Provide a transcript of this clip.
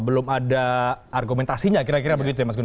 belum ada argumentasinya kira kira begitu ya mas gun